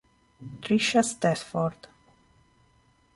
Trisha Stafford